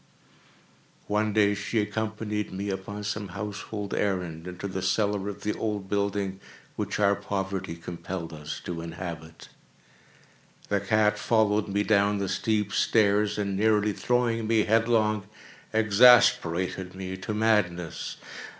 One day she accompanied me, upon some household errand, into the cellar of the old building which our poverty compelled us to inhabit. The cat followed me down the steep stairs, and, nearly throwing me headlong, exasperated me to madness.